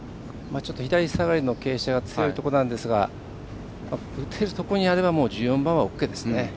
ちょっと左下がりの傾斜が強いところなんですが打てるところにあれば１４番はＯＫですね。